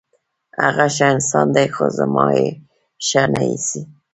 هغه ښه انسان دی، خو زما یې ښه نه ایسي.